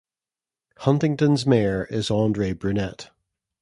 Huntingdon's mayor is Andre Brunette.